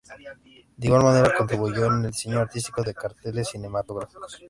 De igual manera contribuyó en el diseño artístico de carteles cinematográficos.